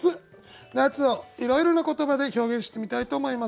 「夏」をいろいろな言葉で表現してみたいと思います。